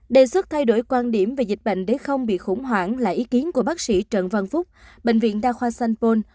đề xuất thay đổi quan điểm về dịch bệnh để không bị khủng hoảng là ý kiến của bác sĩ trần văn phúc bệnh viện đa khoa sanpon